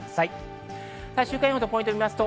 週間予報とポイントです。